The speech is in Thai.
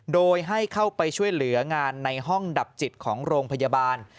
โดยให้เข้าไปช่วยเหลืองานในห้องดับจิตของโรงพยาบาล